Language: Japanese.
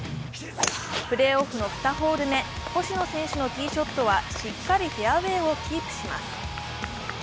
プレーオフの２ホール目、星野選手のティーショットはしっかりフェアウエーをキープします。